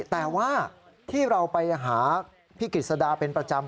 แต่ว่าที่เราไปหาพี่กิจสดาเป็นประจำ